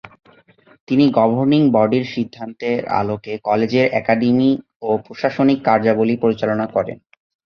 তিনি গভর্নিং বডির সিদ্ধান্তের আলোকে কলেজের একাডেমিক ও প্রশাসনিক কার্যাবলী পরিচালনা করেন।